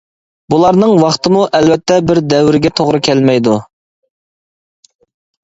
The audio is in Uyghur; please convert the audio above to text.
بۇلارنىڭ ۋاقتىمۇ ئەلۋەتتە بىر دەۋرگە توغرا كەلمەيدۇ.